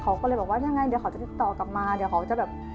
เขาก็เลยบอกว่ายังไงเดี๋ยวเขาจะติดต่อกลับมาเดี๋ยวเขาจะแบบ